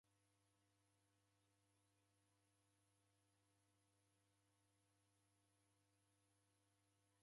Daw'ona w'andu w'ikivina nyumbenyi kwa Grace.